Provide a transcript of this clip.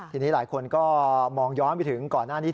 ทีนี้หลายคนก็มองย้อนไปถึงก่อนหน้านี้